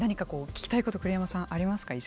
最後に何か聞きたいこと栗山さんはありますか。